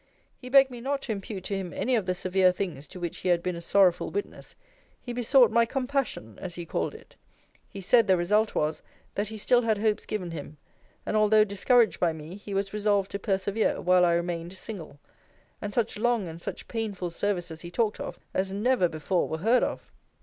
He begged me not to impute to him any of the severe things to which he had been a sorrowful witness. He besought my compassion, as he called it. He said, the result was, that he still had hopes given him; and, although discouraged by me, he was resolved to persevere, while I remained single. And such long and such painful services he talked of, as never before were heard of.